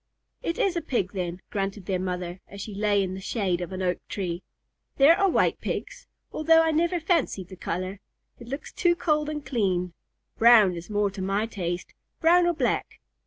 "It is a Pig then," grunted their mother, as she lay in the shade of an oak tree. "There are white Pigs, although I never fancied the color. It looks too cold and clean. Brown is more to my taste, brown or black.